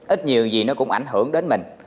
ít nhiều gì nó cũng ảnh hưởng đến mình